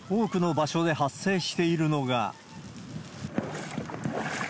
多くの場所で発生しているのが。